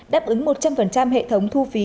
đáp ứng một trăm linh hệ thống thu phí